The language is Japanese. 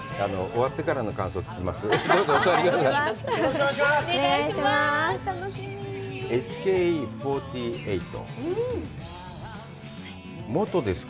終わってから感想聞きます。